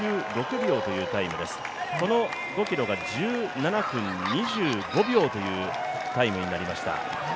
この５ｋｍが１７分２５秒というタイムになりました。